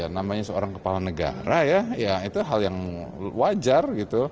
namanya seorang kepala negara ya itu hal yang wajar